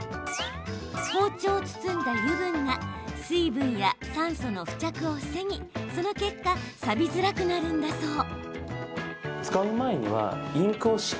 包丁を包んだ油分が水分や酸素の付着を防ぎその結果さびづらくなるんだそう。